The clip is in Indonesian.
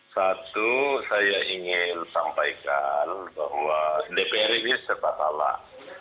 satu saya ingin sampaikan bahwa dpr ini serta salah